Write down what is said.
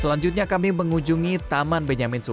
selanjutnya kami mengunjungi taman benyamin sue